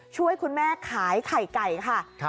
ช่วยคุณแม่ขายไข่ไก่ค่ะ